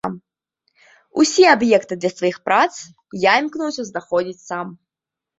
Усе аб'екты для сваіх прац я імкнуся знаходзіць сам.